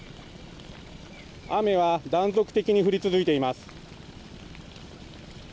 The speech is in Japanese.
雨は断続的に降り続いています。